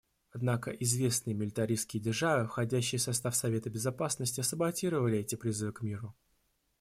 Однако известные милитаристские державы, входящие в состав Совета Безопасности, саботировали эти призывы к миру.